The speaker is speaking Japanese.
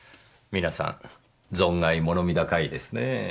皆さん存外物見高いですねぇ。